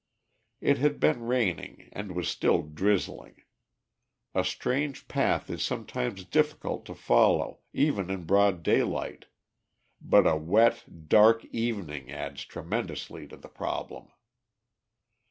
It had been raining, and was still drizzling. A strange path is sometimes difficult to follow, even in broad daylight, but a wet, dark evening adds tremendously to the problem.